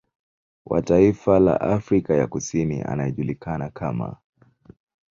Wa taifa la Afrika ya Kusini anayejulikana kama